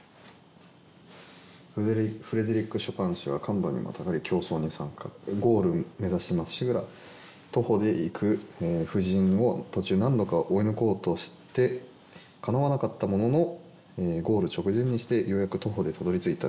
「フレデリック・ショパン氏は悍馬に跨り競争に参加ゴール目指してまっしぐら徒歩でいく夫人を途中何度か追い抜こうとして叶わなかったもののゴール直前にしてようやく徒歩で辿りついた」